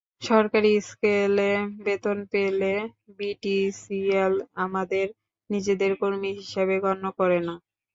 সরকারি স্কেলে বেতন পেলেও বিটিসিএল আমাদের নিজেদের কর্মী হিসেবে গণ্য করে না।